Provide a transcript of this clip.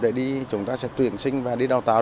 để đi chúng ta sẽ tuyển sinh và đi đào tạo